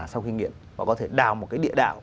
sau khi nghiện họ có thể đào một cái địa đạo